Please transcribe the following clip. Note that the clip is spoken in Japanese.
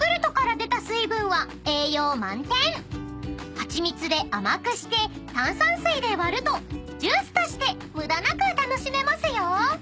［ハチミツで甘くして炭酸水で割るとジュースとして無駄なく楽しめますよ］